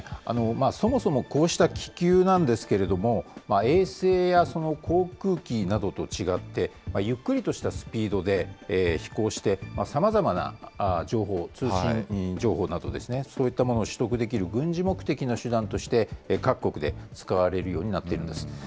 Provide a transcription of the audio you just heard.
そもそもこうした気球なんですけれども、衛星やその航空機などと違って、ゆっくりとしたスピードで飛行して、さまざまな情報、情報をそういったものを取得できる軍事目的の手段として、各国で使われるようになっているんです。